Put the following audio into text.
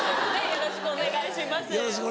よろしくお願いします。